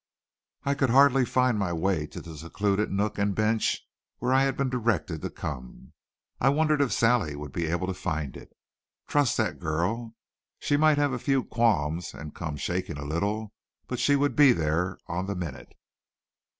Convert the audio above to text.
I could hardly find my way to the secluded nook and bench where I had been directed to come. I wondered if Sally would be able to find it. Trust that girl! She might have a few qualms and come shaking a little, but she would be there on the minute.